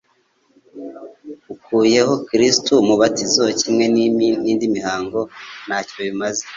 Ukuyeho Kristo, umubatizo, kimwe n’indi mihango, ntacyo bimaze.